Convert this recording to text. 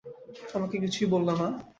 আমাকে কিছুই বললে না?